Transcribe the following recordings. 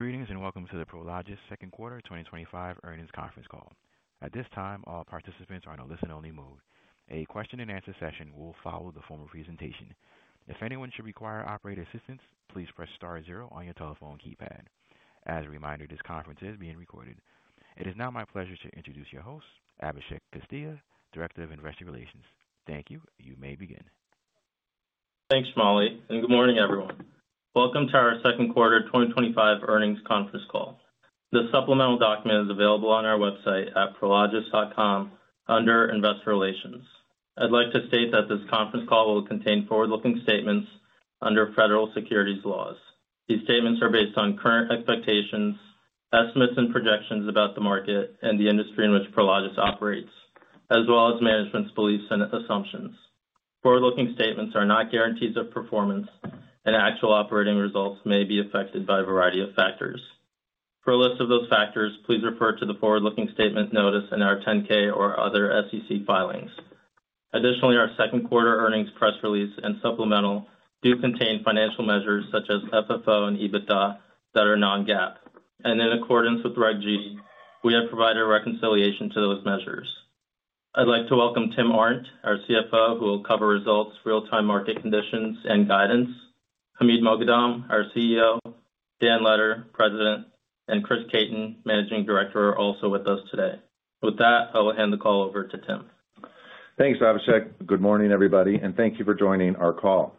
Greetings and welcome to the Prologis Second Quarter 2025 Earnings Conference Call. At this time, all participants are in a listen-only mode. A question-and-answer session will follow the formal presentation. If anyone should require operator assistance, please press star zero on your telephone keypad. As a reminder, this conference is being recorded. It is now my pleasure to introduce your host, Abhishek Castilla, Director of Investor Relations. Thank you. You may begin. Thanks, Molly, and good morning, everyone. Welcome to our Second Quarter 2025 Earnings Conference Call. The supplemental document is available on our website at prologis.com under Investor Relations. I'd like to state that this conference call will contain forward-looking statements under federal securities laws. These statements are based on current expectations, estimates, and projections about the market and the industry in which Prologis operates, as well as management's beliefs and assumptions. Forward-looking statements are not guarantees of performance, and actual operating results may be affected by a variety of factors. For a list of those factors, please refer to the forward-looking statement notice in our 10-K or other SEC filings. Additionally, our second quarter earnings press release and supplemental do contain financial measures such as FFO and EBITDA that are non-GAAP. In accordance with Reg G, we have provided reconciliation to those measures. I'd like to welcome Tim Arndt, our CFO, who will cover results, real-time market conditions, and guidance. Hamid Moghadam, our CEO, Dan Letter, President, and Chris Caton, Managing Director, are also with us today. With that, I will hand the call over to Tim. Thanks, Abhishek. Good morning, everybody, and thank you for joining our call.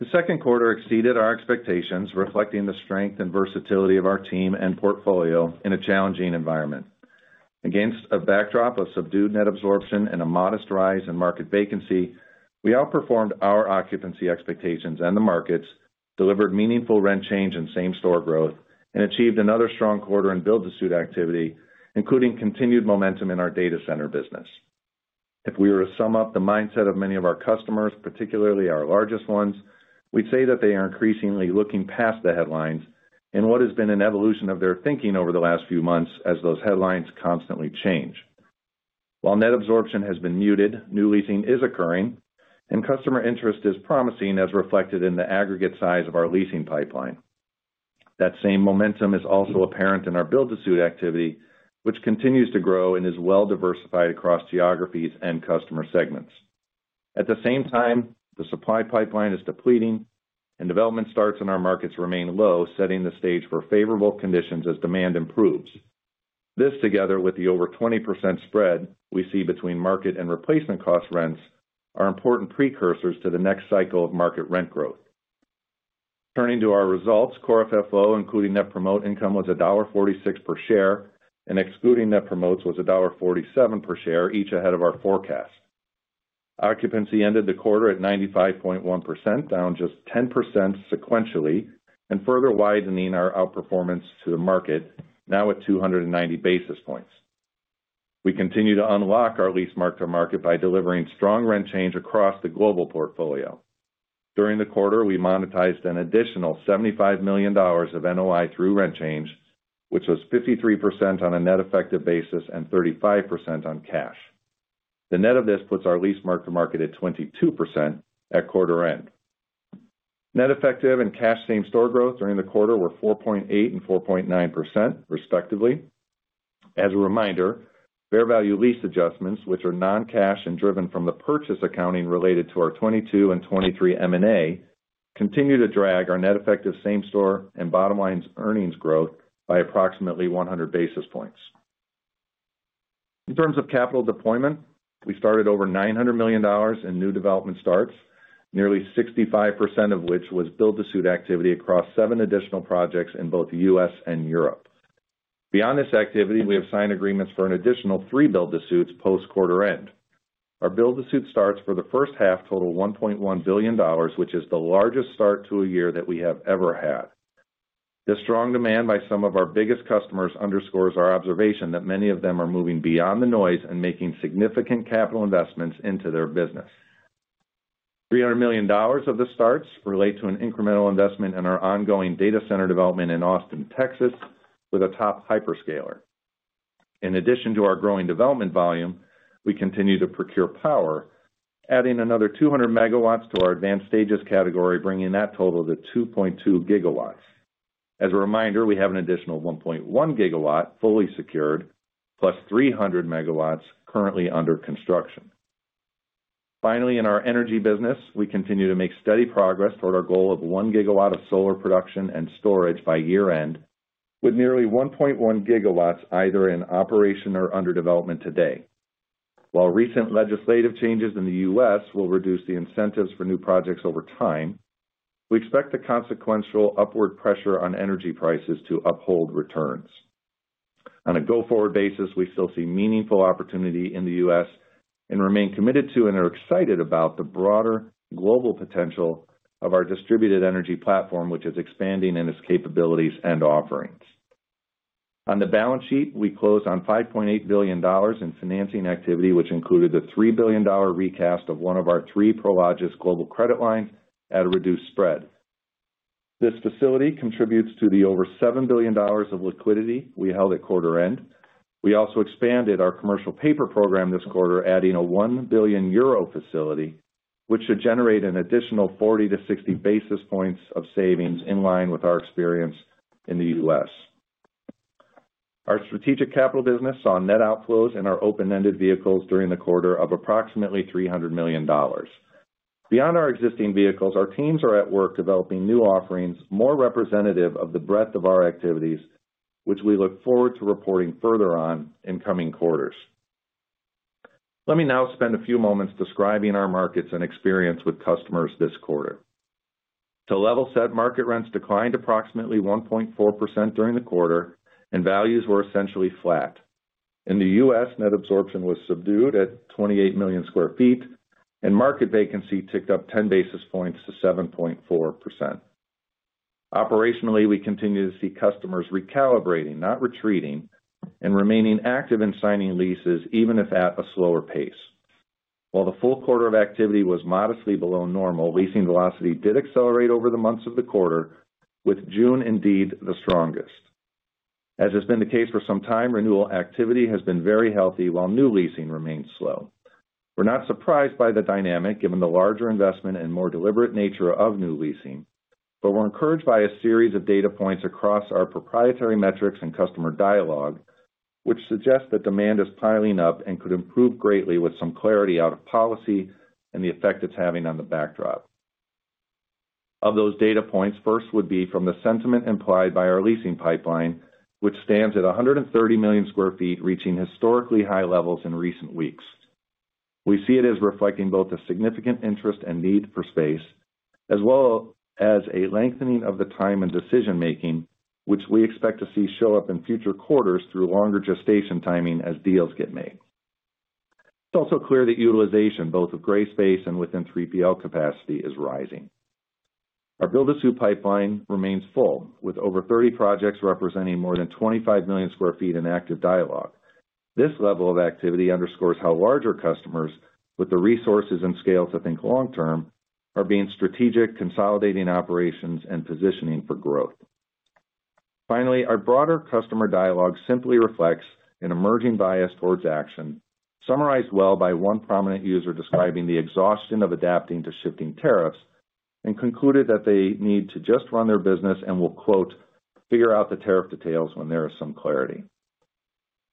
The second quarter exceeded our expectations, reflecting the strength and versatility of our team and portfolio in a challenging environment. Against a backdrop of subdued net absorption and a modest rise in market vacancy, we outperformed our occupancy expectations and the markets, delivered meaningful rent change and same-store growth, and achieved another strong quarter in build-to-suit activity, including continued momentum in our data center business. If we were to sum up the mindset of many of our customers, particularly our largest ones, we'd say that they are increasingly looking past the headlines in what has been an evolution of their thinking over the last few months as those headlines constantly change. While net absorption has been muted, new leasing is occurring, and customer interest is promising as reflected in the aggregate size of our leasing pipeline. That same momentum is also apparent in our build-to-suit activity, which continues to grow and is well-diversified across geographies and customer segments. At the same time, the supply pipeline is depleting, and development starts in our markets remain low, setting the stage for favorable conditions as demand improves. This, together with the over 20% spread we see between market and replacement cost rents, are important precursors to the next cycle of market rent growth. Turning to our results, core FFO, including net promote income, was $1.46 per share, and excluding net promotes was $1.47 per share, each ahead of our forecast. Occupancy ended the quarter at 95.1%, down just 10 basis points sequentially, and further widening our outperformance to the market, now at 290 basis points. We continue to unlock our lease mark to market by delivering strong rent change across the global portfolio. During the quarter, we monetized an additional $75 million of NOI through rent change, which was 53% on a net effective basis and 35% on cash. The net of this puts our lease mark to market at 22% at quarter end. Net effective and cash same-store growth during the quarter were 4.8% and 4.9%, respectively. As a reminder, fair value lease adjustments, which are non-cash and driven from the purchase accounting related to our 2022 and 2023 M&A, continue to drag our net effective same-store and bottom line earnings growth by approximately 100 basis points. In terms of capital deployment, we started over $900 million in new development starts, nearly 65% of which was build-to-suit activity across seven additional projects in both the U.S. and Europe. Beyond this activity, we have signed agreements for an additional three build-to-suits post-quarter end. Our build-to-suit starts for the first half total $1.1 billion, which is the largest start to a year that we have ever had. The strong demand by some of our biggest customers underscores our observation that many of them are moving beyond the noise and making significant capital investments into their business. $300 million of the starts relate to an incremental investment in our ongoing data center development in Austin, Texas, with a top hyperscaler. In addition to our growing development volume, we continue to procure power, adding another 200 MW to our advanced stages category, bringing that total to 2.2 GW. As a reminder, we have an additional 1.1 GW fully secured, plus 300 MW currently under construction. Finally, in our energy business, we continue to make steady progress toward our goal of 1 GW of solar production and storage by year-end, with nearly 1.1 GW either in operation or under development today. While recent legislative changes in the U.S. will reduce the incentives for new projects over time, we expect the consequential upward pressure on energy prices to uphold returns. On a go-forward basis, we still see meaningful opportunity in the U.S. and remain committed to and are excited about the broader global potential of our distributed energy platform, which is expanding in its capabilities and offerings. On the balance sheet, we close on $5.8 billion in financing activity, which included the $3 billion recast of one of our three Prologis Global Credit Lines at a reduced spread. This facility contributes to the over $7 billion of liquidity we held at quarter end. We also expanded our commercial paper program this quarter, adding a 1 billion euro facility, which should generate an additional 40-60 basis points of savings in line with our experience in the U.S. Our strategic capital business saw net outflows in our open-ended vehicles during the quarter of approximately $300 million. Beyond our existing vehicles, our teams are at work developing new offerings more representative of the breadth of our activities, which we look forward to reporting further on in coming quarters. Let me now spend a few moments describing our markets and experience with customers this quarter. To level set, market rents declined approximately 1.4% during the quarter, and values were essentially flat. In the U.S., net absorption was subdued at 28 million sq ft, and market vacancy ticked up 10 basis points to 7.4%. Operationally, we continue to see customers recalibrating, not retreating, and remaining active in signing leases, even if at a slower pace. While the full quarter of activity was modestly below normal, leasing velocity did accelerate over the months of the quarter, with June indeed the strongest. As has been the case for some time, renewal activity has been very healthy while new leasing remained slow. We're not surprised by the dynamic given the larger investment and more deliberate nature of new leasing, but we're encouraged by a series of data points across our proprietary metrics and customer dialogue, which suggests that demand is piling up and could improve greatly with some clarity out of policy and the effect it's having on the backdrop. Of those data points, first would be from the sentiment implied by our leasing pipeline, which stands at 130 million sq ft, reaching historically high levels in recent weeks. We see it as reflecting both a significant interest and need for space, as well as a lengthening of the time and decision-making, which we expect to see show up in future quarters through longer gestation timing as deals get made. It's also clear that utilization, both of gray space and within 3PL capacity, is rising. Our build-to-suit pipeline remains full, with over 30 projects representing more than 25 million sq ft in active dialogue. This level of activity underscores how larger customers, with the resources and scale to think long-term, are being strategic, consolidating operations, and positioning for growth. Finally, our broader customer dialogue simply reflects an emerging bias towards action, summarized well by one prominent user describing the exhaustion of adapting to shifting tariffs and concluded that they need to just run their business and will, "Figure out the tariff details when there is some clarity."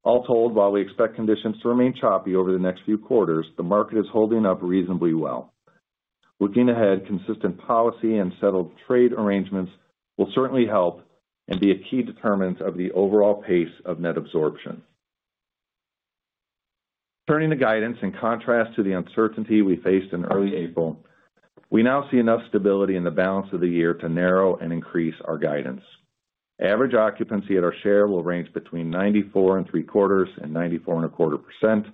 All told, while we expect conditions to remain choppy over the next few quarters, the market is holding up reasonably well. Looking ahead, consistent policy and settled trade arrangements will certainly help and be a key determinant of the overall pace of net absorption. Turning to guidance, in contrast to the uncertainty we faced in early April, we now see enough stability in the balance of the year to narrow and increase our guidance. Average occupancy at our share will range between 94.75% and 94.25%.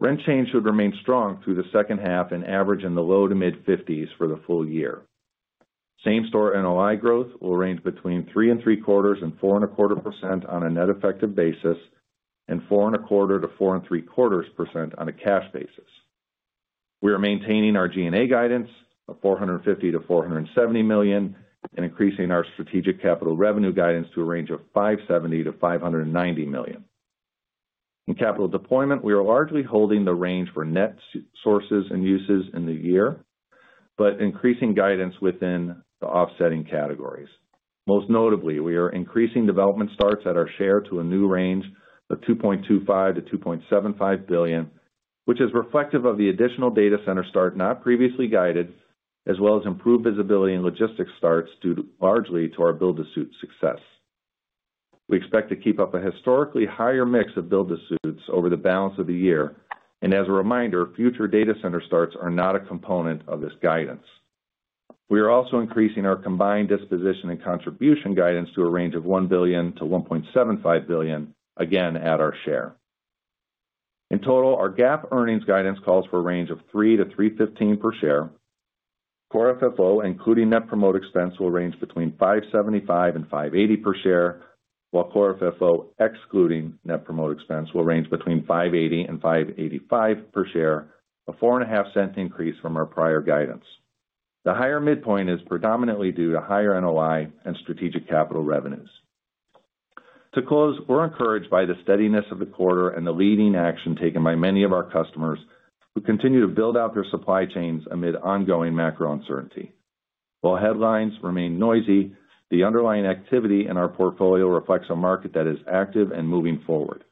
Rent change should remain strong through the second half and average in the low to mid-50s for the full year. Same-store NOI growth will range between three and three-quarters and 4 and a quarter % on a net effective basis and 4 and a quarter-4 and three-quarters % on a cash basis. We are maintaining our G&A guidance of $450 million - $470 million and increasing our strategic capital revenue guidance to a range of $570 million - $590 million. In capital deployment, we are largely holding the range for net sources and uses in the year, but increasing guidance within the offsetting categories. Most notably, we are increasing development starts at our share to a new range of $2.25 billion - $2.75 billion, which is reflective of the additional data center start not previously guided, as well as improved visibility in logistics starts due largely to our build-to-suit success. We expect to keep up a historically higher mix of build-to-suits over the balance of the year. As a reminder, future data center starts are not a component of this guidance. We are also increasing our combined disposition and contribution guidance to a range of $1 billion - $1.75 billion, again at our share. In total, our GAAP earnings guidance calls for a range of $3 - $3.15 per share. Core FFO, including net promote expense, will range between $5.75 and $5.80 per share, while Core FFO, excluding net promote expense, will range between $5.80 and $5.85 per share, a $0.045 increase from our prior guidance. The higher midpoint is predominantly due to higher NOI and strategic capital revenues. To close, we're encouraged by the steadiness of the quarter and the leading action taken by many of our customers who continue to build out their supply chains amid ongoing macro uncertainty. While headlines remain noisy, the underlying activity in our portfolio reflects a market that is active and moving forward.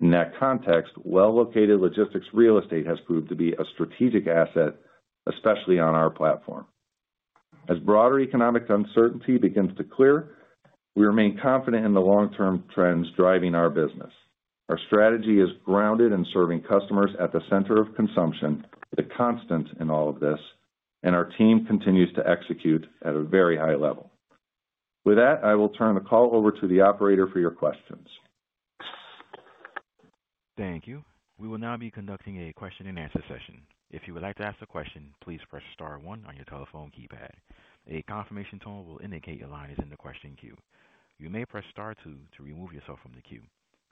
In that context, well-located logistics real estate has proved to be a strategic asset, especially on our platform. As broader economic uncertainty begins to clear, we remain confident in the long-term trends driving our business. Our strategy is grounded in serving customers at the center of consumption, the constant in all of this, and our team continues to execute at a very high level. With that, I will turn the call over to the operator for your questions. Thank you. We will now be conducting a question and answer session. If you would like to ask a question, please press Star 1 on your telephone keypad. A confirmation tone will indicate your line is in the question queue. You may press Star 2 to remove yourself from the queue.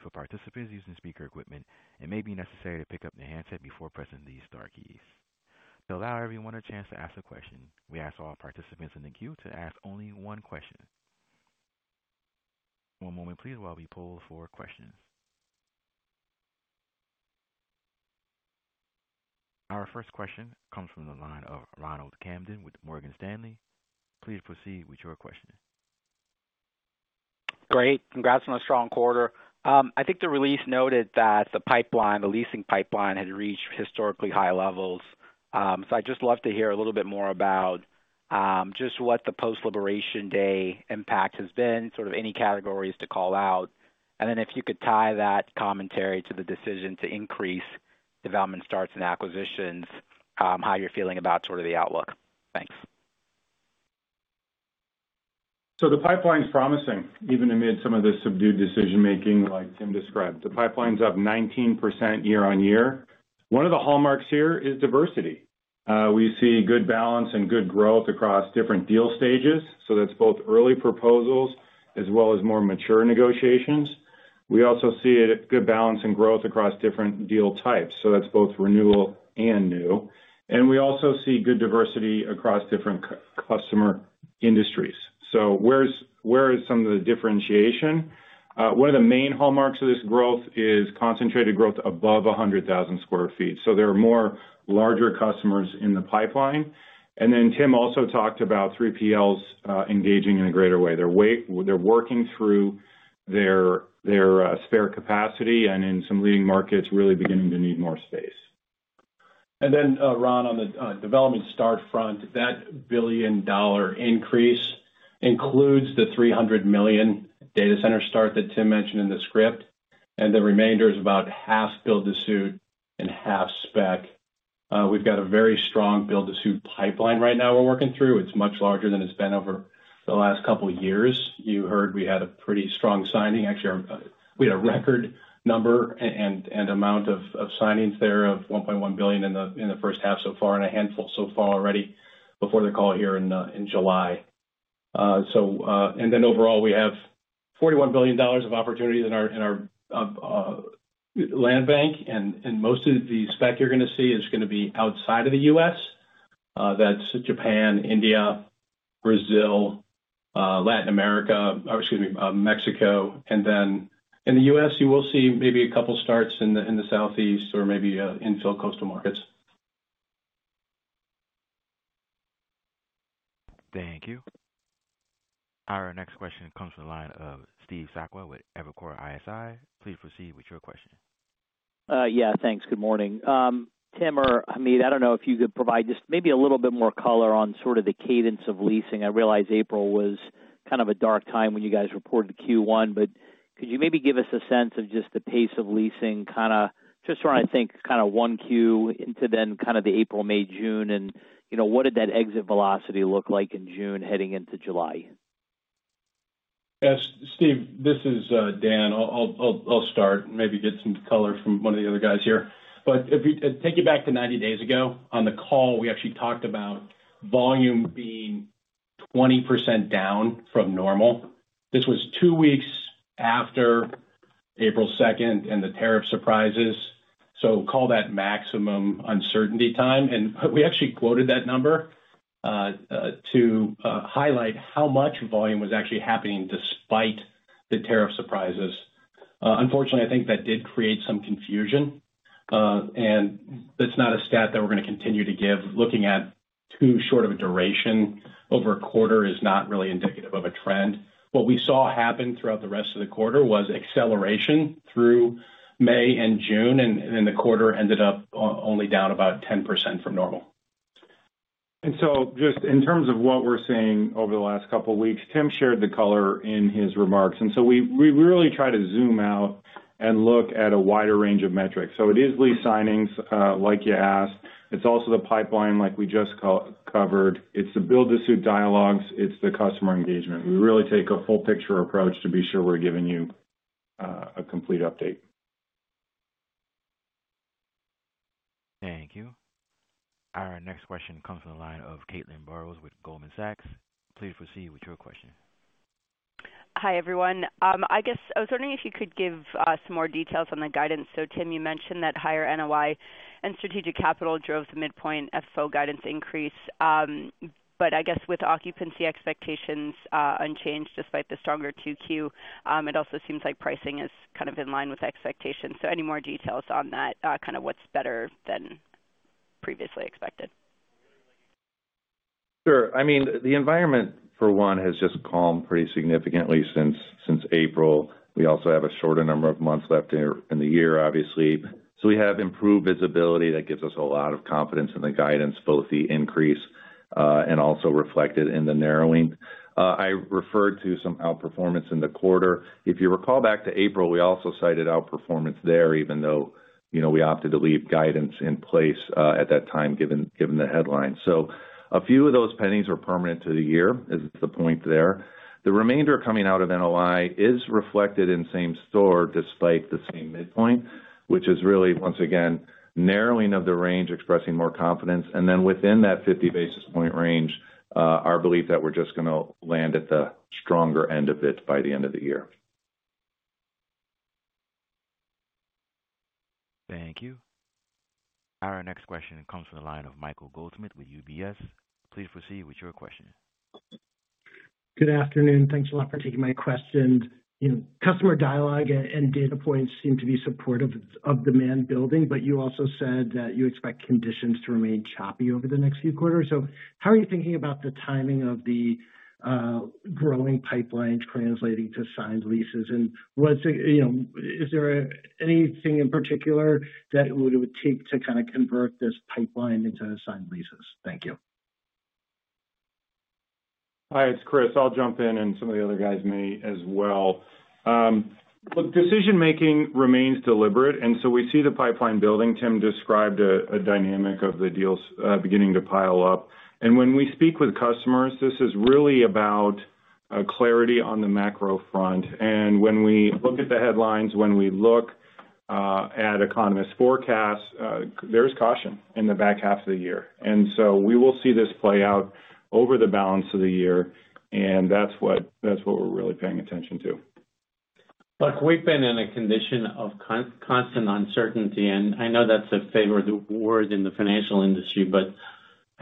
For participants using speaker equipment, it may be necessary to pick up the handset before pressing these star keys. To allow everyone a chance to ask a question, we ask all participants in the queue to ask only one question. One moment, please, while we pull for questions. Our first question comes from the line of Ronald Camden with Morgan Stanley. Please proceed with your question. Great. Congrats on a strong quarter. I think the release noted that the pipeline, the leasing pipeline, had reached historically high levels. So I'd just love to hear a little bit more about. Just what the post-liberation day impact has been, sort of any categories to call out. If you could tie that commentary to the decision to increase development starts and acquisitions, how you're feeling about sort of the outlook. Thanks. The pipeline's promising, even amid some of the subdued decision-making, like Tim described. The pipeline's up 19% year on year. One of the hallmarks here is diversity. We see good balance and good growth across different deal stages. That's both early proposals as well as more mature negotiations. We also see good balance and growth across different deal types. That's both renewal and new. We also see good diversity across different customer industries. Where is some of the differentiation? One of the main hallmarks of this growth is concentrated growth above 100,000 sq ft. There are more larger customers in the pipeline. Tim also talked about 3PLs engaging in a greater way. They are working through their spare capacity and in some leading markets really beginning to need more space. Ron, on the development start front, that $1 billion increase includes the $300 million data center start that Tim mentioned in the script, and the remainder is about half build-to-suit and half spec. We have a very strong build-to-suit pipeline right now we are working through. It is much larger than it has been over the last couple of years. You heard we had a pretty strong signing. Actually, we had a record number and amount of signings there of $1.1 billion in the first half so far and a handful so far already before the call here in July. Overall, we have $41 billion of opportunity in our land bank. Most of the spec you're going to see is going to be outside of the U.S. That's Japan, India, Brazil, Latin America, or excuse me, Mexico. In the U.S., you will see maybe a couple of starts in the Southeast or maybe infill coastal markets. Thank you. Our next question comes from the line of Steve Sackler with Evercore ISI. Please proceed with your question. Yeah, thanks. Good morning. Tim or Hamid, I don't know if you could provide just maybe a little bit more color on sort of the cadence of leasing. I realize April was kind of a dark time when you guys reported Q1, but could you maybe give us a sense of just the pace of leasing, kind of just trying to think kind of one Q into then kind of the April, May, June, and what did that exit velocity look like in June heading into July? Steve, this is Dan. I'll start and maybe get some color from one of the other guys here. Take you back to 90 days ago. On the call, we actually talked about volume being 20% down from normal. This was two weeks after April 2nd and the tariff surprises. Call that maximum uncertainty time. We actually quoted that number to highlight how much volume was actually happening despite the tariff surprises. Unfortunately, I think that did create some confusion. That's not a stat that we're going to continue to give. Looking at too short of a duration over a quarter is not really indicative of a trend. What we saw happen throughout the rest of the quarter was acceleration through May and June, and the quarter ended up only down about 10% from normal. Just in terms of what we're seeing over the last couple of weeks, Tim shared the color in his remarks. We really try to zoom out and look at a wider range of metrics. It is lease signings, like you asked. It's also the pipeline, like we just covered. It's the build-to-suit dialogues. It's the customer engagement. We really take a full-picture approach to be sure we're giving you a complete update. Thank you. Our next question comes from the line of Caitlin Burrows with Goldman Sachs. Please proceed with your question. Hi, everyone. I guess I was wondering if you could give some more details on the guidance. So Tim, you mentioned that higher NOI and strategic capital drove the midpoint FFO guidance increase. But I guess with occupancy expectations unchanged despite the stronger 2Q, it also seems like pricing is kind of in line with expectations. So any more details on that, kind of what's better than previously expected? Sure. I mean, the environment, for one, has just calmed pretty significantly since April. We also have a shorter number of months left in the year, obviously. So we have improved visibility that gives us a lot of confidence in the guidance, both the increase and also reflected in the narrowing. I referred to some outperformance in the quarter. If you recall back to April, we also cited outperformance there, even though we opted to leave guidance in place at that time given the headline. A few of those pennies were permanent to the year, is the point there. The remainder coming out of NOI is reflected in same store despite the same midpoint, which is really, once again, narrowing of the range, expressing more confidence. Within that 50 basis point range, our belief is that we're just going to land at the stronger end of it by the end of the year. Thank you. Our next question comes from the line of Michael Goldsmith with UBS. Please proceed with your question. Good afternoon. Thanks a lot for taking my question. Customer dialogue and data points seem to be supportive of demand building, but you also said that you expect conditions to remain choppy over the next few quarters. How are you thinking about the timing of the growing pipeline translating to signed leases? Is there anything in particular that it would take to kind of convert this pipeline into signed leases? Thank you. Hi, it's Chris. I'll jump in, and some of the other guys may as well. Look, decision-making remains deliberate. We see the pipeline building. Tim described a dynamic of the deals beginning to pile up. When we speak with customers, this is really about clarity on the macro front. When we look at the headlines, when we look at economist forecasts, there's caution in the back half of the year. We will see this play out over the balance of the year. That is what we are really paying attention to. Look, we have been in a condition of constant uncertainty. I know that is a favorite word in the financial industry,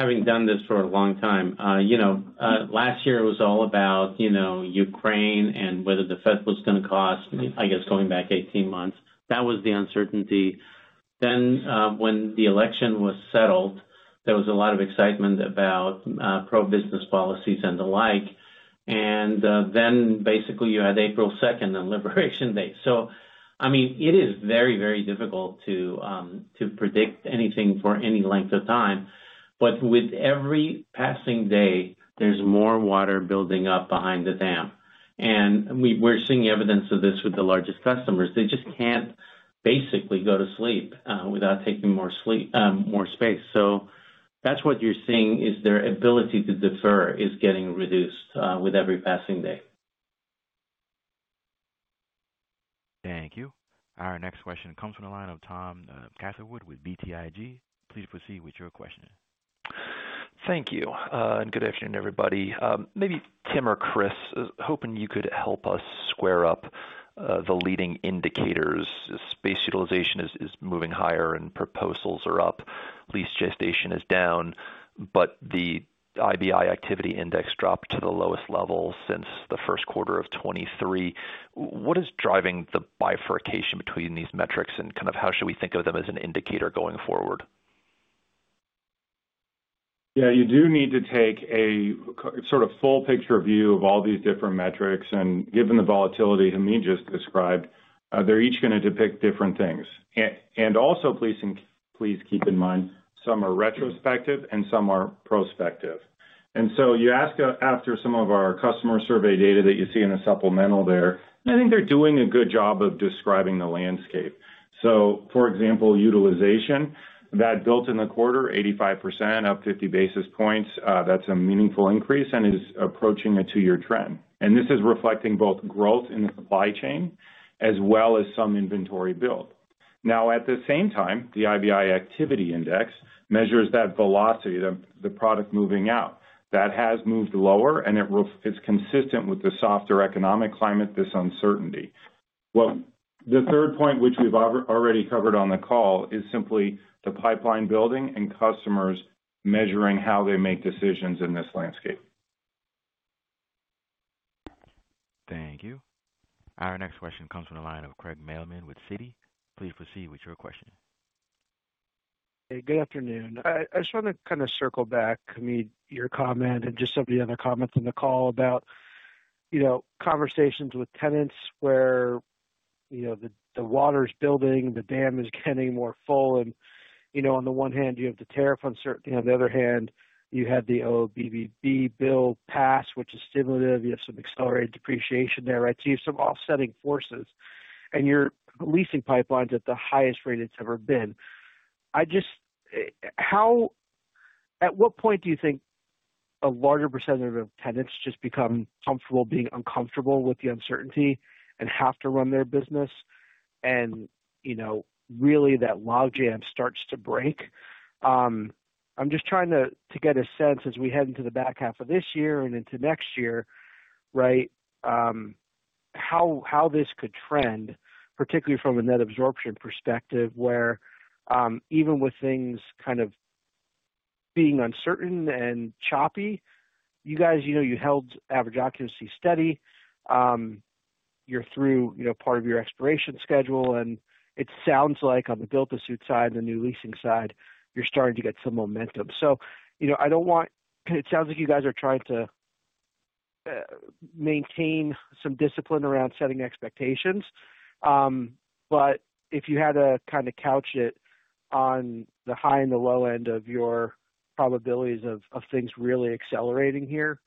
but having done this for a long time. Last year, it was all about Ukraine and whether the Fed was going to cost, I guess going back 18 months. That was the uncertainty. When the election was settled, there was a lot of excitement about pro-business policies and the like. Basically, you had April 2nd and Liberation Day. I mean, it is very, very difficult to predict anything for any length of time. With every passing day, there is more water building up behind the dam. We are seeing evidence of this with the largest customers. They just can't basically go to sleep without taking more space. So that's what you're seeing is their ability to defer is getting reduced with every passing day. Thank you. Our next question comes from the line of Tom Catherwood with BTIG. Please proceed with your question. Thank you. And good afternoon, everybody. Maybe Tim or Chris, hoping you could help us square up the leading indicators. Space utilization is moving higher and proposals are up. Lease gestation is down. But the IBI activity index dropped to the lowest level since the first quarter of 2023. What is driving the bifurcation between these metrics and kind of how should we think of them as an indicator going forward? Yeah, you do need to take a sort of full-picture view of all these different metrics. And given the volatility Hamid just described, they're each going to depict different things. Also, please keep in mind, some are retrospective and some are prospective. You ask after some of our customer survey data that you see in the supplemental there, I think they're doing a good job of describing the landscape. For example, utilization that built in the quarter, 85%, up 50 basis points, that's a meaningful increase and is approaching a two-year trend. This is reflecting both growth in the supply chain as well as some inventory build. At the same time, the IBI activity index measures that velocity, the product moving out. That has moved lower, and it's consistent with the softer economic climate, this uncertainty. The third point, which we've already covered on the call, is simply the pipeline building and customers measuring how they make decisions in this landscape. Thank you. Our next question comes from the line of Craig Mailman with Citi. Please proceed with your question. Hey, good afternoon. I just want to kind of circle back, Hamid, your comment and just some of the other comments on the call about conversations with tenants where the water's building, the dam is getting more full. On the one hand, you have the tariff uncertainty. On the other hand, you had the OBBB bill pass, which is stimulative. You have some accelerated depreciation there, right? You have some offsetting forces. Your leasing pipelines are at the highest rate it's ever been. At what point do you think a larger percentage of tenants just become comfortable being uncomfortable with the uncertainty and have to run their business? Really, that log jam starts to break? I'm just trying to get a sense as we head into the back half of this year and into next year, right. How this could trend, particularly from a net absorption perspective, where even with things kind of being uncertain and choppy, you guys held average occupancy steady. You're through part of your expiration schedule. It sounds like on the build-to-suit side, the new leasing side, you're starting to get some momentum. I don't want it sounds like you guys are trying to maintain some discipline around setting expectations. If you had to kind of couch it on the high and the low end of your probabilities of things really accelerating here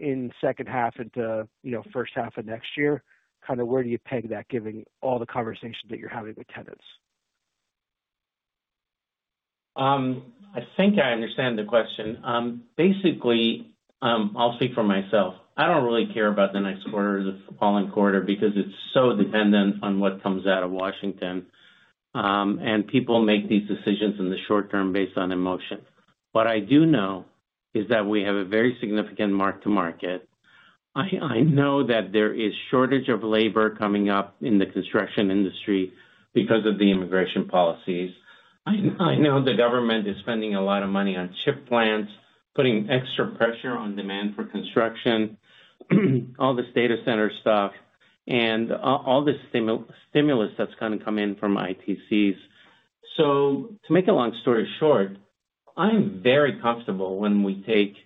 in the second half into first half of next year, kind of where do you peg that given all the conversations that you're having with tenants? I think I understand the question. Basically, I'll speak for myself. I don't really care about the next quarter or the following quarter because it's so dependent on what comes out of Washington. People make these decisions in the short term based on emotion. What I do know is that we have a very significant mark-to-market. I know that there is a shortage of labor coming up in the construction industry because of the immigration policies. I know the government is spending a lot of money on chip plants, putting extra pressure on demand for construction. All this data center stuff, and all this stimulus that's going to come in from ITCs. To make a long story short, I'm very comfortable when we take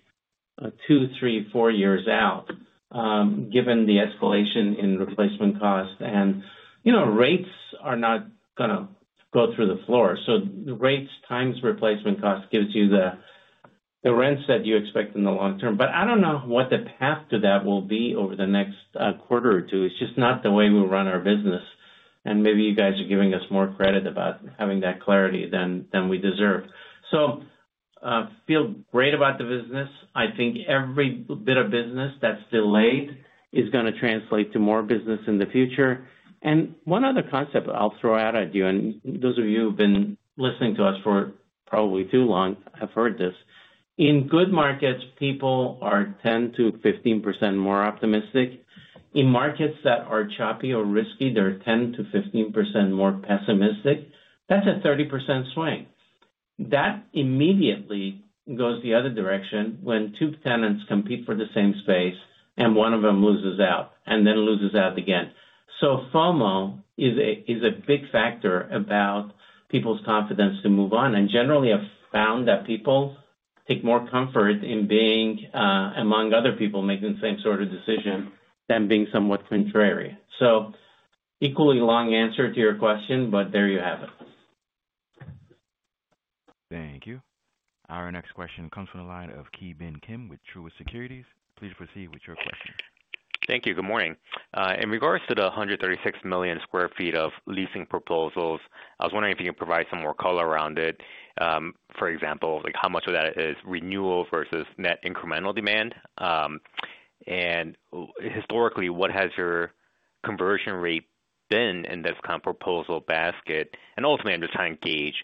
two, three, four years out, given the escalation in replacement costs. Rates are not going to go through the floor. Rates times replacement costs gives you the. Rents that you expect in the long term. I do not know what the path to that will be over the next quarter or two. It is just not the way we run our business. Maybe you guys are giving us more credit about having that clarity than we deserve. I feel great about the business. I think every bit of business that is delayed is going to translate to more business in the future. One other concept I will throw out at you, and those of you who have been listening to us for probably too long have heard this. In good markets, people are 10-15% more optimistic. In markets that are choppy or risky, they are 10-15% more pessimistic. That is a 30% swing. That immediately goes the other direction when two tenants compete for the same space and one of them loses out and then loses out again. FOMO is a big factor about people's confidence to move on. Generally, I've found that people take more comfort in being among other people making the same sort of decision than being somewhat contrary. Equally long answer to your question, but there you have it. Thank you. Our next question comes from the line of Ki Bin Kim with Truist Securities. Please proceed with your question. Thank you. Good morning. In regards to the 136 million sq ft of leasing proposals, I was wondering if you could provide some more color around it. For example, how much of that is renewal versus net incremental demand? Historically, what has your conversion rate been in this kind of proposal basket? Ultimately, I'm just trying to gauge,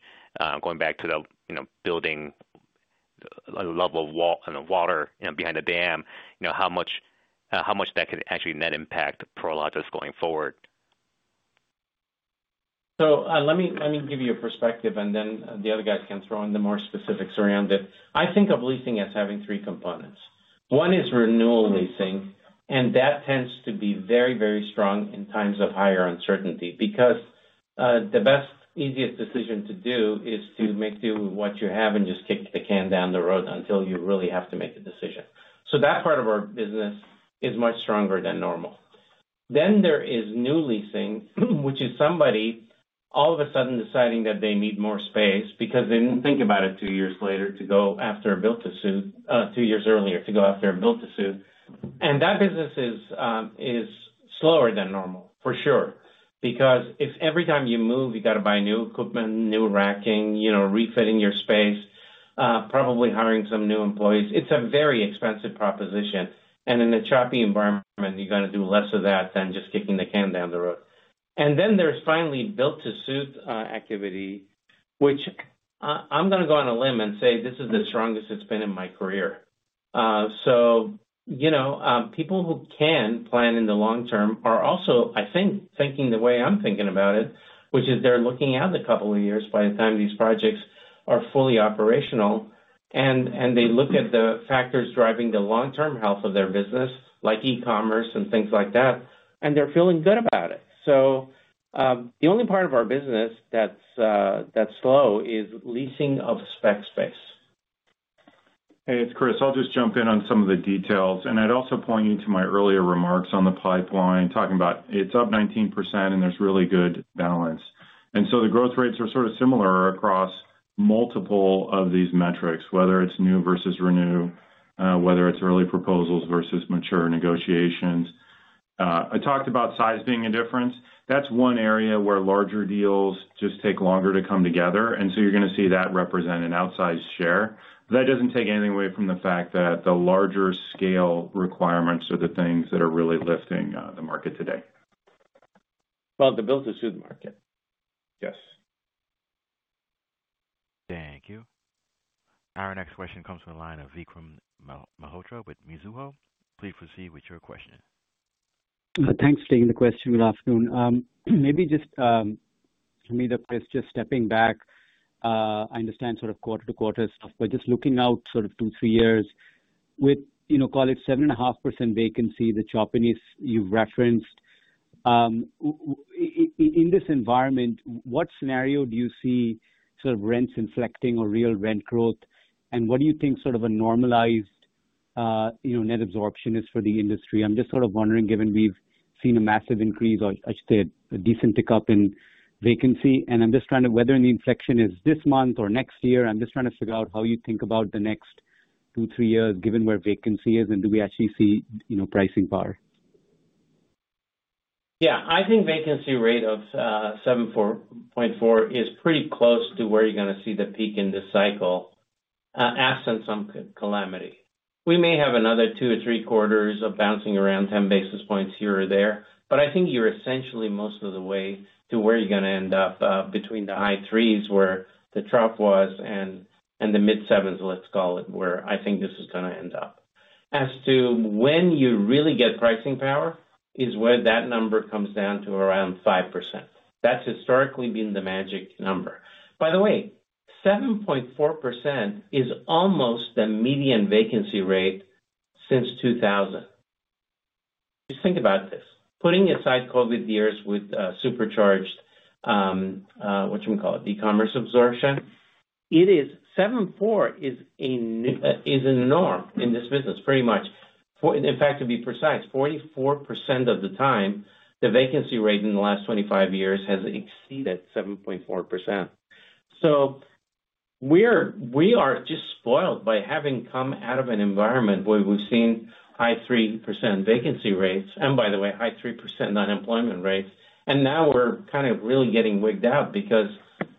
going back to the building, level of water behind the dam, how much that could actually net impact per lot just going forward. Let me give you a perspective, and then the other guys can throw in the more specifics around it. I think of leasing as having three components. One is renewal leasing, and that tends to be very, very strong in times of higher uncertainty because the best, easiest decision to do is to make do with what you have and just kick the can down the road until you really have to make a decision. That part of our business is much stronger than normal. There is new leasing, which is somebody all of a sudden deciding that they need more space because they did not think about it two years earlier to go after a build-to-suit. That business is slower than normal, for sure, because if every time you move, you have to buy new equipment, new racking, refitting your space, probably hiring some new employees. It is a very expensive proposition. In a choppy environment, you are going to do less of that than just kicking the can down the road. There is finally build-to-suit activity, which, I am going to go on a limb and say this is the strongest it has been in my career. People who can plan in the long term are also, I think, thinking the way I'm thinking about it, which is they're looking out a couple of years by the time these projects are fully operational. They look at the factors driving the long-term health of their business, like e-commerce and things like that, and they're feeling good about it. The only part of our business that's slow is leasing of spec space. Hey, it's Chris. I'll just jump in on some of the details. I'd also point you to my earlier remarks on the pipeline, talking about it's up 19%, and there's really good balance. The growth rates are sort of similar across multiple of these metrics, whether it's new versus renew, whether it's early proposals versus mature negotiations. I talked about size being a difference. That's one area where larger deals just take longer to come together. You're going to see that represent an outsized share. That does not take anything away from the fact that the larger scale requirements are the things that are really lifting the market today. The build-to-suit market. Yes. Thank you. Our next question comes from the line of Vikram Malhotra with Mizuho. Please proceed with your question. Thanks for taking the question. Good afternoon. Maybe just for me, the question just stepping back. I understand sort of quarter-to-quarter stuff, but just looking out sort of two, three years. With, call it, 7.5% vacancy, the choppiness you've referenced. In this environment, what scenario do you see sort of rents inflecting or real rent growth? What do you think sort of a normalized net absorption is for the industry? I'm just sort of wondering, given we've seen a massive increase, I should say, a decent tick up in vacancy. I'm just trying to whether the inflection is this month or next year. I'm just trying to figure out how you think about the next two, three years, given where vacancy is, and do we actually see pricing power? Yeah. I think vacancy rate of 7.4% is pretty close to where you're going to see the peak in this cycle. Absent some calamity. We may have another two or three quarters of bouncing around 10 basis points here or there. I think you're essentially most of the way to where you're going to end up between the high threes where the trough was and the mid-sevens, let's call it, where I think this is going to end up. As to when you really get pricing power is where that number comes down to around 5%. That's historically been the magic number. By the way, 7.4% is almost the median vacancy rate since 2000. Just think about this. Putting aside COVID years with supercharged, what should we call it, e-commerce absorption, 7.4% is a norm in this business, pretty much. In fact, to be precise, 44% of the time, the vacancy rate in the last 25 years has exceeded 7.4%. We are just spoiled by having come out of an environment where we've seen high 3% vacancy rates, and by the way, high 3% unemployment rates. Now we're kind of really getting wigged out because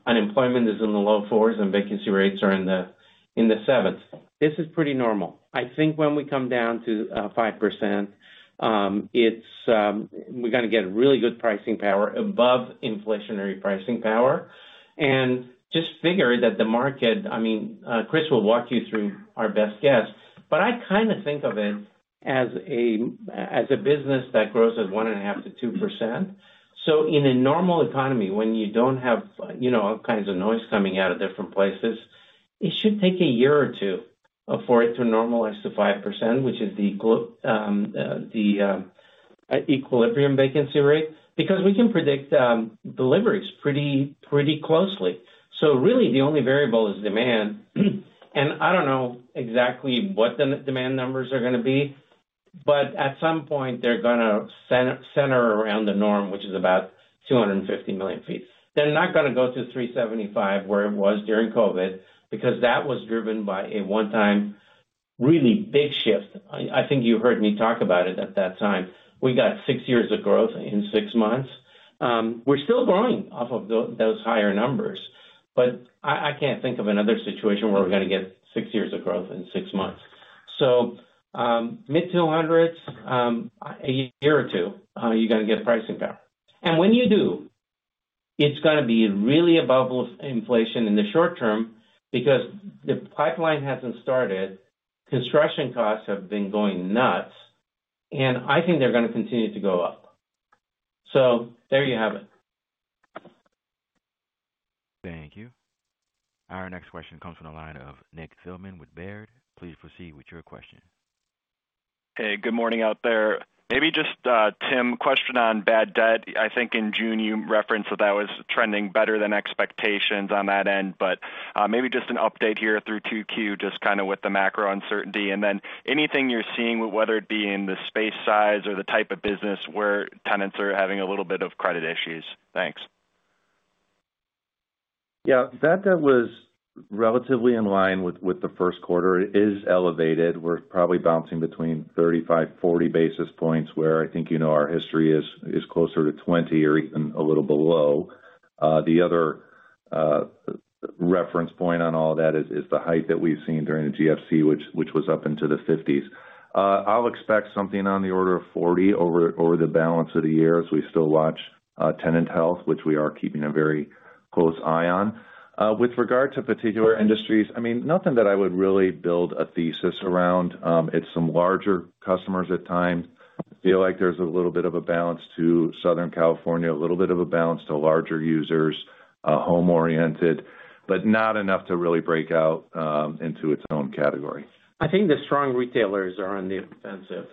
unemployment is in the low fours and vacancy rates are in the sevens. This is pretty normal. I think when we come down to 5%. We're going to get really good pricing power, above inflationary pricing power. I mean, Chris will walk you through our best guess, but I kind of think of it as a business that grows at 1.5 - 2%. In a normal economy, when you do not have all kinds of noise coming out of different places, it should take a year or two for it to normalize to 5%, which is the equilibrium vacancy rate, because we can predict deliveries pretty closely. Really, the only variable is demand. I do not know exactly what the demand numbers are going to be, but at some point, they are going to center around the norm, which is about 250 million sq ft. They are not going to go to 375 million where it was during COVID because that was driven by a one-time, really big shift. I think you heard me talk about it at that time. We got six years of growth in six months. We're still growing off of those higher numbers, but I can't think of another situation where we're going to get six years of growth in six months. Mid-200s. A year or two, you're going to get pricing power. And when you do, it's going to be really above inflation in the short term because the pipeline hasn't started. Construction costs have been going nuts, and I think they're going to continue to go up. There you have it. Thank you. Our next question comes from the line of Nick Fillman with Baird. Please proceed with your question. Hey, good morning out there. Maybe just Tim, question on bad debt. I think in June, you referenced that that was trending better than expectations on that end, but maybe just an update here through 2Q, just kind of with the macro uncertainty. Anything you're seeing, whether it be in the space size or the type of business where tenants are having a little bit of credit issues. Thanks. Yeah. That was relatively in line with the first quarter. It is elevated. We're probably bouncing between 35-40 basis points where I think our history is closer to 20 or even a little below. The other reference point on all that is the height that we've seen during the GFC, which was up into the 50s. I'll expect something on the order of 40 over the balance of the year as we still watch tenant health, which we are keeping a very close eye on. With regard to particular industries, I mean, nothing that I would really build a thesis around. It's some larger customers at times. I feel like there's a little bit of a balance to Southern California, a little bit of a balance to larger users, home-oriented, but not enough to really break out into its own category. I think the strong retailers are on the offensive.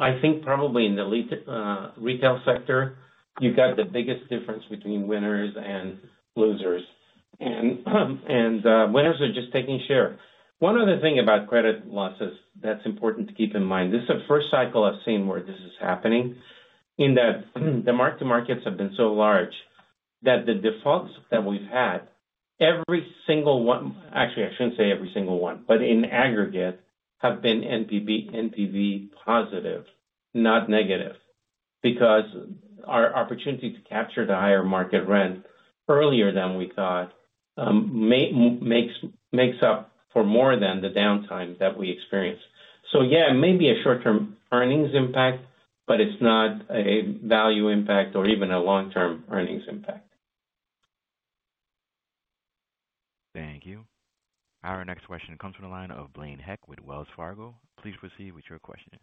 I think probably in the retail sector, you've got the biggest difference between winners and losers. Winners are just taking share. One other thing about credit losses that's important to keep in mind. This is the first cycle I've seen where this is happening in that the mark-to-markets have been so large that the defaults that we've had, every single one—actually, I shouldn't say every single one—but in aggregate, have been NPV positive, not negative, because. Our opportunity to capture the higher market rent earlier than we thought makes up for more than the downtime that we experience. Yeah, maybe a short-term earnings impact, but it's not a value impact or even a long-term earnings impact. Thank you. Our next question comes from the line of Blaine Heck with Wells Fargo. Please proceed with your question.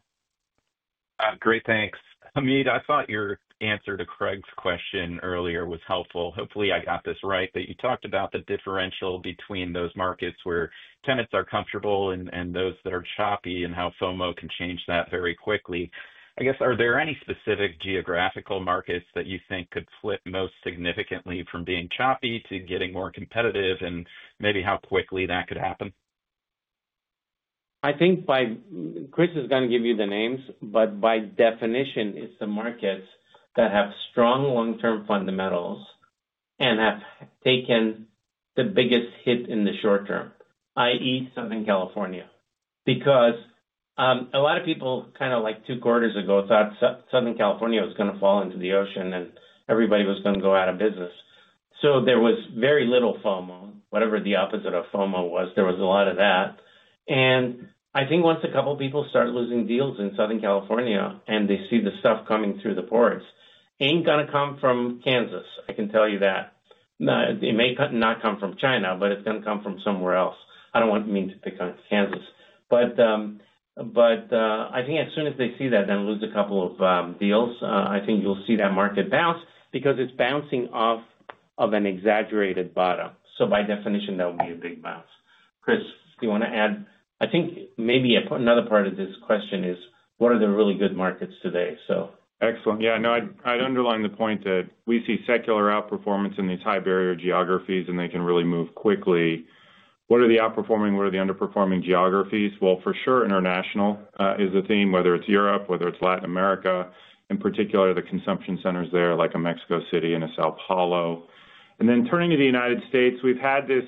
Great. Thanks. Hamid, I thought your answer to Craig's question earlier was helpful. Hopefully, I got this right that you talked about the differential between those markets where tenants are comfortable and those that are choppy and how FOMO can change that very quickly. I guess, are there any specific geographical markets that you think could flip most significantly from being choppy to getting more competitive and maybe how quickly that could happen? I think. Chris is going to give you the names, but by definition, it's the markets that have strong long-term fundamentals and have taken the biggest hit in the short term, i.e., Southern California. Because a lot of people kind of like two quarters ago thought Southern California was going to fall into the ocean and everybody was going to go out of business. There was very little FOMO, whatever the opposite of FOMO was. There was a lot of that. I think once a couple of people start losing deals in Southern California and they see the stuff coming through the ports, it ain't going to come from Kansas. I can tell you that. It may not come from China, but it's going to come from somewhere else. I don't want to pick on Kansas. I think as soon as they see that, then lose a couple of deals, I think you'll see that market bounce because it's bouncing off of an exaggerated bottom. By definition, that would be a big bounce. Chris, do you want to add? I think maybe another part of this question is, what are the really good markets today? Excellent. Yeah. No, I'd underline the point that we see secular outperformance in these high-barrier geographies, and they can really move quickly. What are the outperforming, what are the underperforming geographies? For sure, international is the theme, whether it's Europe, whether it's Latin America. In particular, the consumption centers there, like a Mexico City and a São Paulo. Then turning to the United States, we've had this.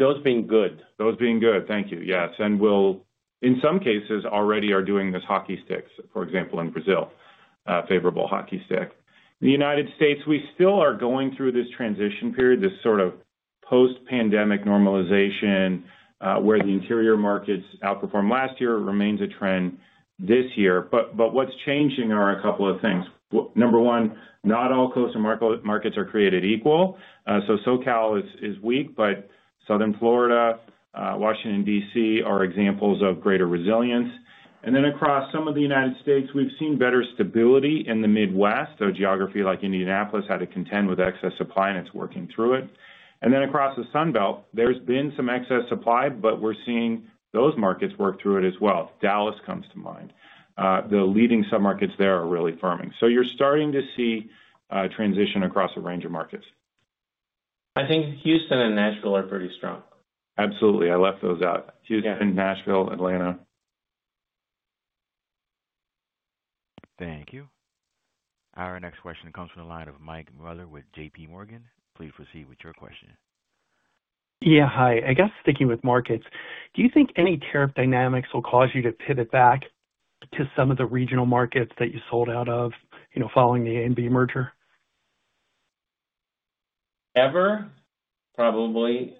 Those being good. Those being good. Thank you. Yes. We'll, in some cases, already are doing this hockey stick, for example, in Brazil, a favorable hockey stick. In the United States, we still b are going through this transition period, this sort of post-pandemic normalization, where the interior markets outperformed last year remains a trend this year. What's changing are a couple of things. Number one, not all coastal markets are created equal. SoCal is weak, but Southern Florida, Washington DC, are examples of greater resilience. Across some of the United States, we've seen better stability in the Midwest, so geography like Indianapolis had to contend with excess supply, and it's working through it. Across the Sun Belt, there's been some excess supply, but we're seeing those markets work through it as well. Dallas comes to mind. The leading submarkets there are really firming. You're starting to see a transition across a range of markets. I think Houston and Nashville are pretty strong. Absolutely. I left those out. Houston, Nashville, Atlanta. Thank you. Our next question comes from the line of Mike Miller with JPMorgan. Please proceed with your question. Yeah. Hi. I guess thinking with markets, do you think any tariff dynamics will cause you to pivot back to some of the regional markets that you sold out of following the AMB merger? Ever? Probably.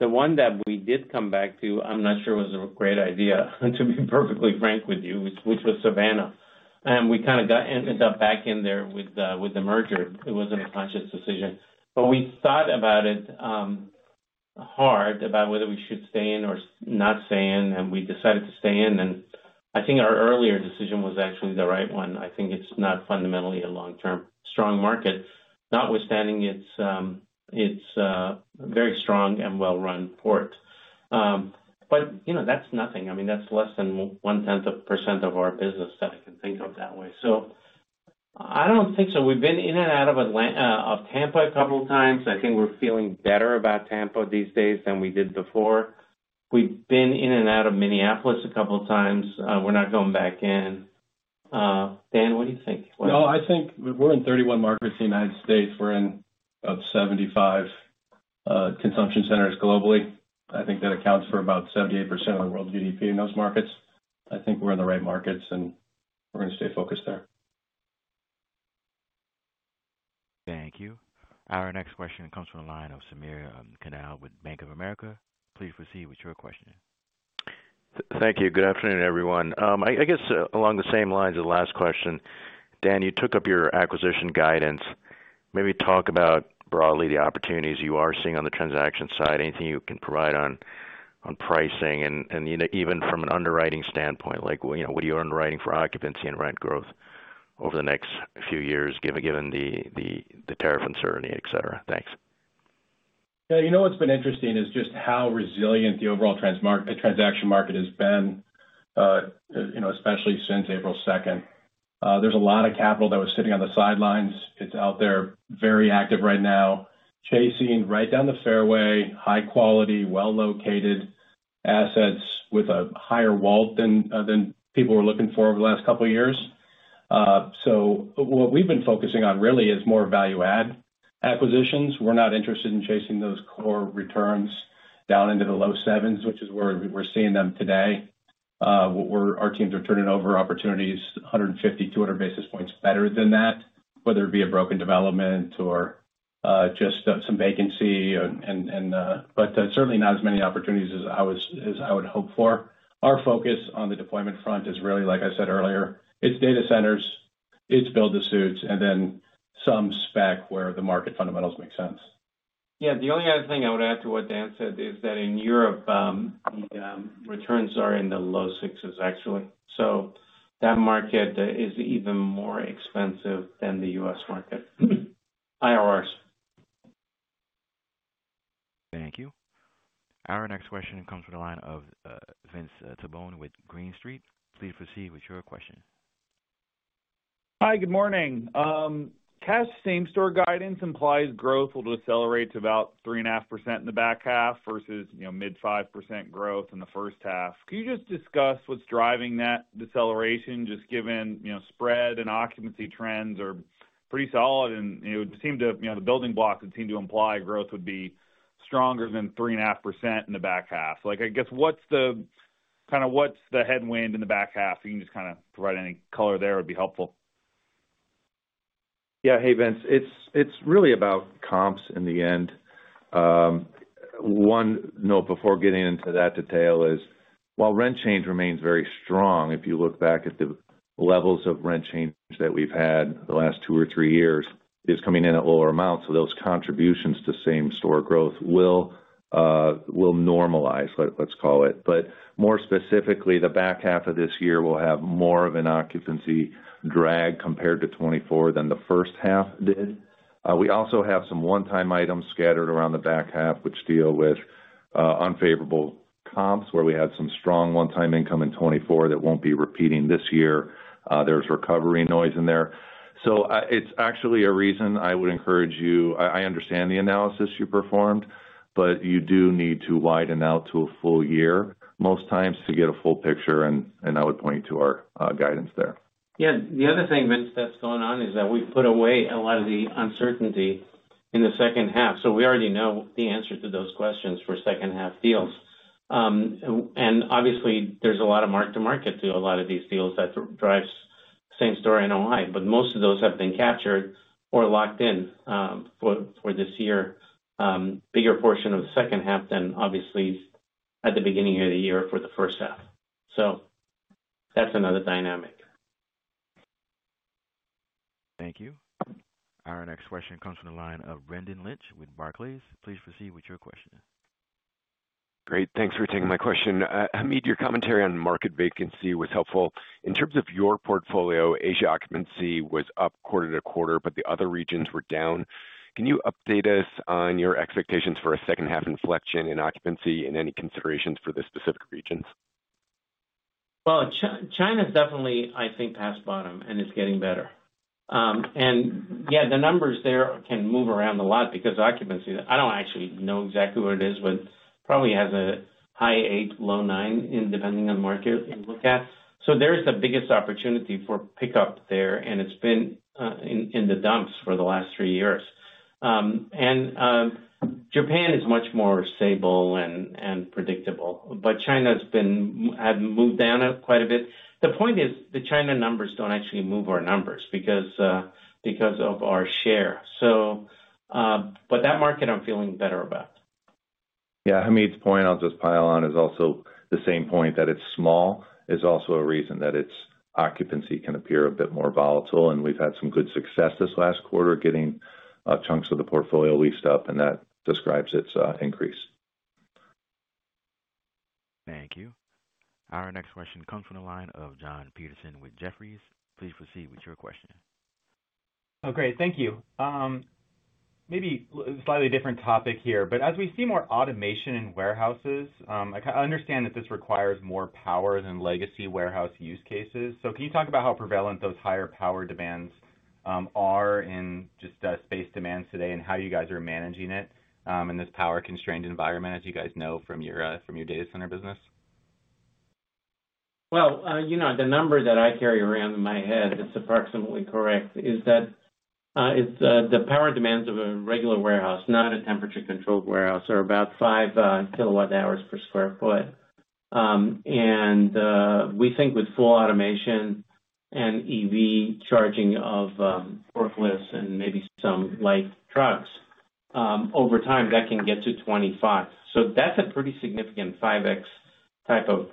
The one that we did come back to, I'm not sure was a great idea, to be perfectly frank with you, which was Savannah. We kind of ended up back in there with the merger. It was not a conscious decision. We thought about it hard, about whether we should stay in or not stay in, and we decided to stay in. I think our earlier decision was actually the right one. I think it's not fundamentally a long-term strong market, notwithstanding it's a very strong and well-run port. That's nothing. I mean, that's less than 0.1% of our business that I can think of that way. I don't think so. We've been in and out of Tampa a couple of times. I think we're feeling better about Tampa these days than we did before. We've been in and out of Minneapolis a couple of times. We're not going back in. Dan, what do you think? `No, I think we're in 31 markets in the U.S. We're in about 75 consumption centers globally. I think that accounts for about 78% of the world GDP in those markets. I think we're in the right markets, and we're going to stay focused there. Thank you. Our next question comes from the line of Samir Canal with Bank of America. Please proceed with your question. Thank you. Good afternoon, everyone. I guess along the same lines of the last question, Dan, you took up your acquisition guidance. Maybe talk about broadly the opportunities you are seeing on the transaction side, anything you can provide on pricing, and even from an underwriting standpoint, like what are you underwriting for occupancy and rent growth over the next few years, given the tariff uncertainty, etc. Thanks. Yeah. You know what's been interesting is just how resilient the overall transaction market has been, especially since April 2. There's a lot of capital that was sitting on the sidelines. It's out there very active right now, chasing right down the fairway, high-quality, well-located assets with a higher wall than people were looking for over the last couple of years. What we've been focusing on really is more value-add acquisitions. We're not interested in chasing those core returns down into the low sevens, which is where we're seeing them today. Our teams are turning over opportunities 150, 200 basis points better than that, whether it be a broken development or just some vacancy. Certainly not as many opportunities as I would hope for. Our focus on the deployment front is really, like I said earlier, it's data centers, it's build-to-suits, and then some spec where the market fundamentals make sense. Yeah. The only other thing I would add to what Dan said is that in Europe, the returns are in the low sixes actually. That market is even more expensive than the U.S. market. IRRs. Thank you. Our next question comes from the line of Vince Tabone with Green Street. Please proceed with your question. Hi. Good morning. Cast same-store guidance implies growth will decelerate to about 3.5% in the back half versus mid-5% growth in the first half. Can you just discuss what's driving that deceleration, just given spread and occupancy trends are pretty solid and it would seem the building blocks would seem to imply growth would be stronger than 3.5% in the back half. I guess what's the kind of what's the headwind in the back half? You can just kind of provide any color there would be helpful. Yeah. Hey, Vince. It's really about comps in the end. One note before getting into that detail is while rent change remains very strong, if you look back at the levels of rent change that we've had the last two or three years, it is coming in at lower amounts. Those contributions to same-store growth will normalize, let's call it but. More specifically, the back half of this year will have more of an occupancy drag compared to 2024 than the first half did. We also have some one-time items scattered around the back half, which deal with unfavorable comps where we had some strong one-time income in 2024 that will not be repeating this year. There is recovery noise in there. It is actually a reason I would encourage you—I understand the analysis you performed, but you do need to widen out to a full year most times to get a full picture, and I would point you to our guidance there. Yeah. The other thing, Vince, that is going on is that we have put away a lot of the uncertainty in the second half. We already know the answer to those questions for second-half deals. Obviously, there's a lot of mark-to-market to a lot of these deals that drives same-store NOI, but most of those have been captured or locked in. For this year, a bigger portion of the second half than, obviously, at the beginning of the year for the first half. That's another dynamic. Thank you. Our next question comes from the line of Brendan Lynch with Barclays. Please proceed with your question. Great. Thanks for taking my question. Hamid, your commentary on market vacancy was helpful. In terms of your portfolio, Asia occupancy was up quarter to quarter, but the other regions were down. Can you update us on your expectations for a second-half inflection in occupancy and any considerations for the specific regions? China's definitely, I think, past bottom and is getting better. Yeah, the numbers there can move around a lot because occupancy, I do not actually know exactly what it is, but probably has a high eight, low nine depending on the market you look at. There is the biggest opportunity for pickup there, and it has been in the dumps for the last three years. Japan is much more stable and predictable, but China has moved down quite a bit. The point is the China numbers do not actually move our numbers because of our share. That market, I am feeling better about. Yeah. Hamid's point, I will just pile on, is also the same point that it is small, which is also a reason that its occupancy can appear a bit more volatile. We have had some good success this last quarter getting chunks of the portfolio leased up, and that describes its increase. Thank you. Our next question comes from the line of Jon Petersen with Jefferies. Please proceed with your question. Oh, great. Thank you. Maybe a slightly different topic here, but as we see more automation in warehouses, I understand that this requires more power than legacy warehouse use cases. Can you talk about how prevalent those higher power demands are in just space demands today and how you guys are managing it in this power-constrained environment, as you guys know from your data center business? The number that I carry around in my head that's approximately correct is that the power demands of a regular warehouse, not a temperature-controlled warehouse, are about 5 kilowatt-hours per sq ft. We think with full automation and EV charging of forklifts and maybe some light trucks, over time, that can get to 25. That's a pretty significant 5x type of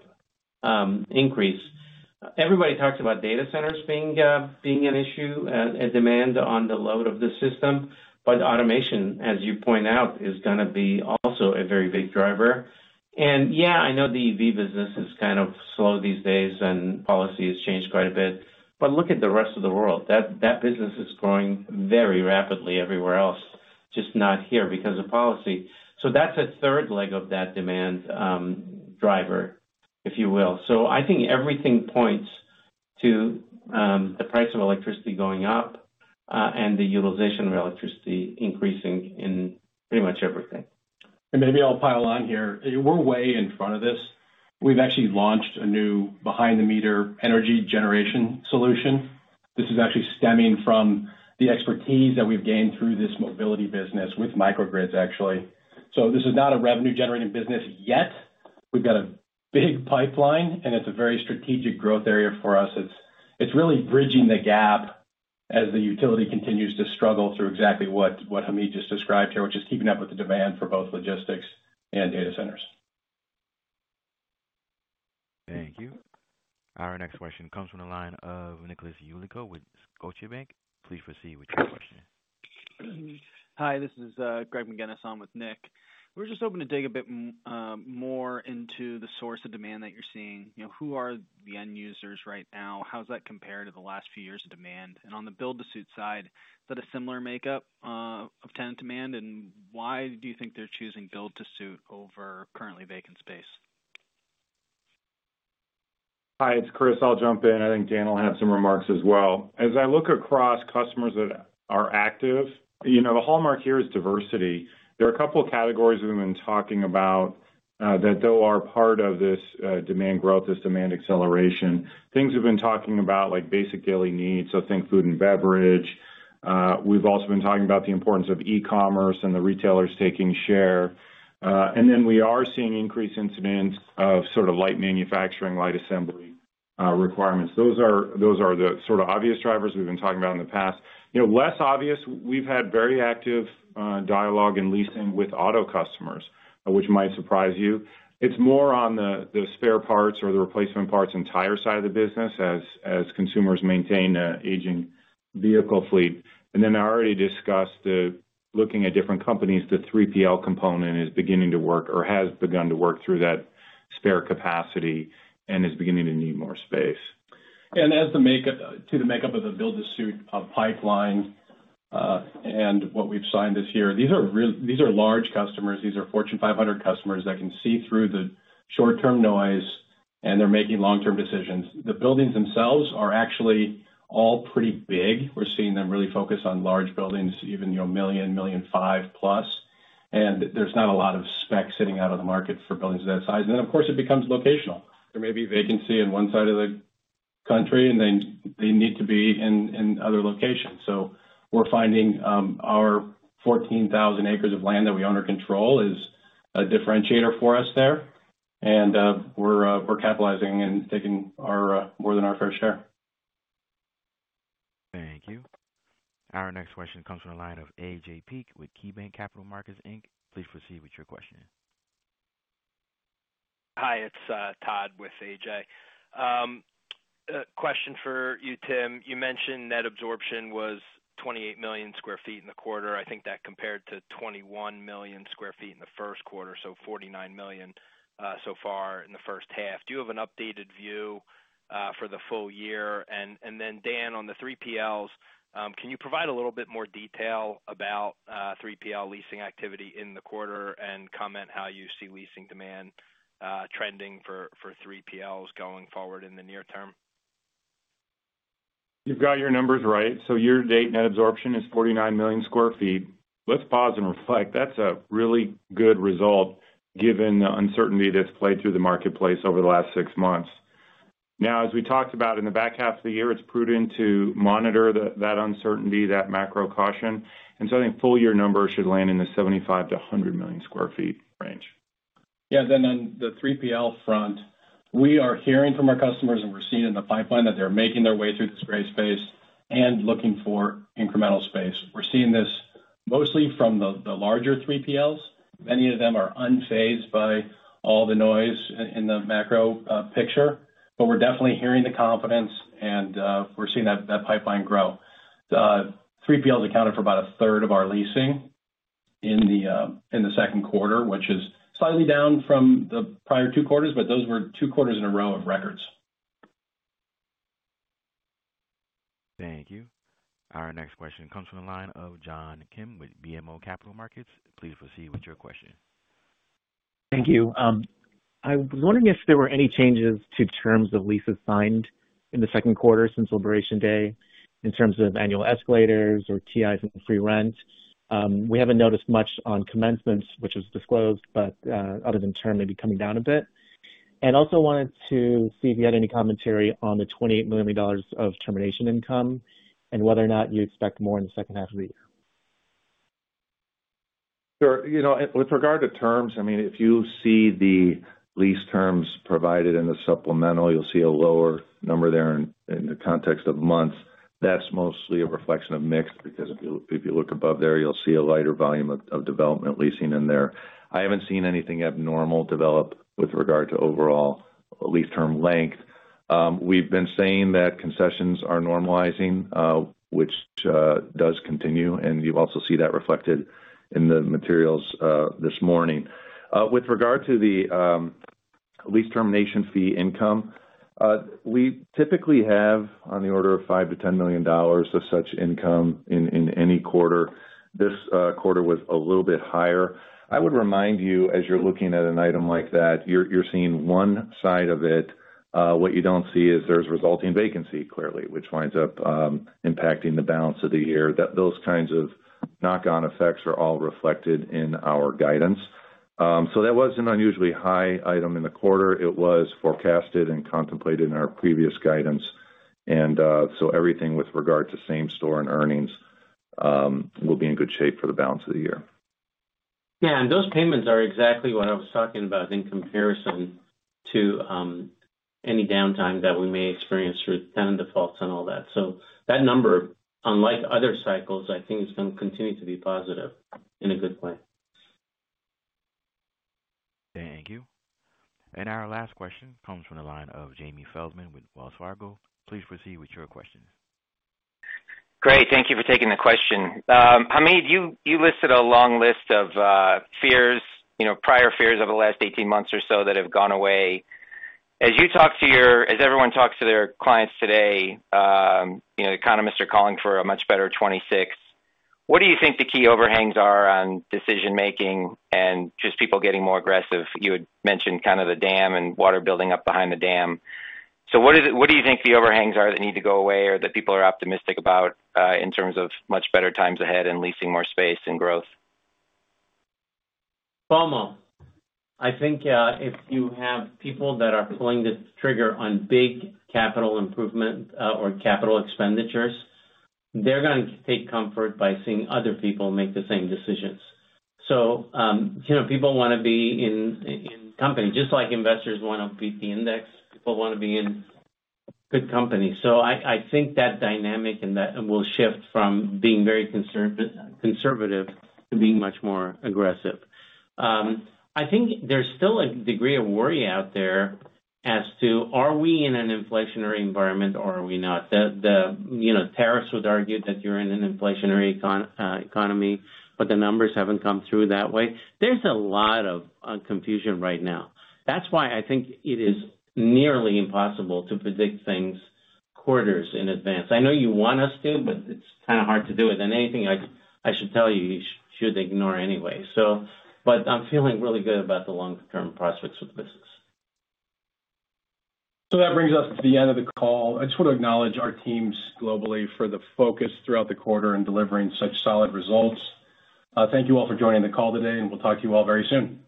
increase. Everybody talks about data centers being an issue and demand on the load of the system, but automation, as you point out, is going to be also a very big driver. Yeah, I know the EV business is kind of slow these days, and policy has changed quite a bit. Look at the rest of the world. That business is growing very rapidly everywhere else, just not here because of policy. That is a third leg of that demand driver, if you will. So, I think everything points to the price of electricity going up and the utilization of electricity increasing in pretty much everything. Maybe I'll pile on here. We're way in front of this. We've actually launched a new behind-the-meter energy generation solution. This is actually stemming from the expertise that we've gained through this mobility business with microgrids, actually. This is not a revenue-generating business yet. We've got a big pipeline, and it's a very strategic growth area for us. It's really bridging the gap as the utility continues to struggle through exactly what Hamid just described here, which is keeping up with the demand for both logistics and data centers. Thank you. Our next question comes from the line of Nicholas Yulico with Scotiabank. Please proceed with your question. Hi. This is Greg McGuinness. I'm with Nick. We're just hoping to dig a bit more into the source of demand that you're seeing. Who are the end users right now? How's that compared to the last few years of demand? On the build-to-suit side, is that a similar makeup of tenant demand? Why do you think they're choosing build-to-suit over currently vacant space? Hi, it's Chris. I'll jump in. I think Dan will have some remarks as well. As I look across customers that are active, the hallmark here is diversity. There are a couple of categories we've been talking about that are part of this demand growth, this demand acceleration. Things we've been talking about like basic daily needs, so think food and beverage. We've also been talking about the importance of e-commerce and the retailers taking share. We are seeing increased incidents of sort of light manufacturing, light assembly requirements. Those are the sort of obvious drivers we've been talking about in the past. Less obvious, we've had very active dialogue and leasing with auto customers, which might surprise you. It's more on the spare parts or the replacement parts and tire side of the business as consumers maintain an aging vehicle fleet. I already discussed looking at different companies, the 3PL component is beginning to work or has begun to work through that spare capacity and is beginning to need more space. As to the makeup of the build-to-suit pipeline and what we've signed this year, these are large customers. These are Fortune 500 customers that can see through the short-term noise, and they're making long-term decisions. The buildings themselves are actually all pretty big. We're seeing them really focus on large buildings, even million, million five plus. There is not a lot of spec sitting out of the market for buildings of that size. Of course, it becomes locational. There may be vacancy on one side of the country, and they need to be in other locations. We're finding our 14,000 acres of land that we own or control is a differentiator for us there. We're capitalizing and taking more than our fair share. Thank you. Our next question comes from the line of AJ Peek with KeyBank Capital Markets. Please proceed with your question. Hi. It's Todd with AJ. Question for you, Tim. You mentioned net absorption was 28 million sq ft in the quarter. I think that compared to 21 million sq ft in the first quarter, so 49 million so far in the first half. Do you have an updated view for the full year? And then, Dan, on the 3PLs, can you provide a little bit more detail about 3PL leasing activity in the quarter and comment how you see leasing demand trending for 3PLs going forward in the near term? You've got your numbers right. Year-to-date net absorption is 49 million sq ft. Let's pause and reflect. That's a really good result given the uncertainty that's played through the marketplace over the last six months. Now, as we talked about in the back half of the year, it's prudent to monitor that uncertainty, that macro caution. I think full-year numbers should land in the 75 - 100 million sq ft range. Yeah. On the 3PL front, we are hearing from our customers, and we're seeing in the pipeline that they're making their way through this gray space and looking for incremental space. We're seeing this mostly from the larger 3PLs. Many of them are unfazed by all the noise in the macro picture, but we're definitely hearing the confidence, and we're seeing that pipeline grow. 3PLs accounted for about a third of our leasing in the second quarter, which is slightly down from the prior two quarters, but those were two quarters in a row of records. Thank you. Our next question comes from the line of John Kim with BMO Capital Markets. Please proceed with your question. Thank you. I was wondering if there were any changes to terms of leases signed in the second quarter since Liberation Day in terms of annual escalators or TIs and free rent. We have not noticed much on commencements, which was disclosed, but other than term maybe coming down a bit. I also wanted to see if you had any commentary on the $28 million of termination income and whether or not you expect more in the second half of the year. Sure. With regard to terms, I mean, if you see the lease terms provided in the supplemental, you'll see a lower number there in the context of months. That's mostly a reflection of mix because if you look above there, you'll see a lighter volume of development leasing in there. I haven't seen anything abnormal develop with regard to overall lease term length. We've been saying that concessions are normalizing, which does continue. You also see that reflected in the materials this morning. With regard to the lease termination fee income, we typically have on the order of $5 million to $10 million of such income in any quarter. This quarter was a little bit higher. I would remind you, as you're looking at an item like that, you're seeing one side of it. What you do not see is there is resulting vacancy clearly, which winds up impacting the balance of the year. Those kinds of knock-on effects are all reflected in our guidance. That was an unusually high item in the quarter. It was forecasted and contemplated in our previous guidance. Everything with regard to same-store and earnings will be in good shape for the balance of the year. Yeah. Those payments are exactly what I was talking about in comparison to any downtime that we may experience through tenant defaults and all that. That number, unlike other cycles, I think is going to continue to be positive in a good way. Thank you. Our last question comes from the line of Jamie Feldman with Wells Fargo. Please proceed with your question. Great. Thank you for taking the question. Hamid, you listed a long list of. Prior fears of the last 18 months or so that have gone away. As you talk to your, as everyone talks to their clients today, economists are calling for a much better 2026. What do you think the key overhangs are on decision-making and just people getting more aggressive? You had mentioned kind of the dam and water building up behind the dam. What do you think the overhangs are that need to go away or that people are optimistic about in terms of much better times ahead and leasing more space and growth? FOMO. I think if you have people that are pulling the trigger on big capital improvement or capital expenditures, they're going to take comfort by seeing other people make the same decisions. People want to be in companies just like investors want to beat the index. People want to be in good companies. I think that dynamic will shift from being very conservative to being much more aggressive. I think there's still a degree of worry out there as to are we in an inflationary environment or are we not? The tariffs would argue that you're in an inflationary economy, but the numbers haven't come through that way. There's a lot of confusion right now. That's why I think it is nearly impossible to predict things quarters in advance. I know you want us to, but it's kind of hard to do it. Anything I should tell you, you should ignore anyway. I'm feeling really good about the long-term prospects of the business. That brings us to the end of the call. I just want to acknowledge our teams globally for the focus throughout the quarter and delivering such solid results. Thank you all for joining the call today, and we'll talk to you all very soon.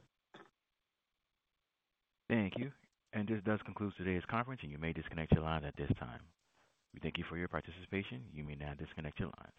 Thank you. This does conclude today's conference, and you may disconnect your line at this time. We thank you for your participation. You may now disconnect your line.